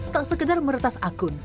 tak sekedar meretas akun